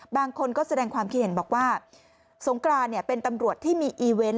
บางคนก็แสดงความคิดเห็นบอกว่าสงกรานเป็นตำรวจที่มีอีเวนต์